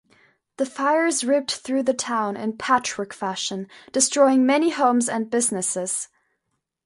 The fires ripped through the town in "patchwork fashion," destroying many homes and businesses.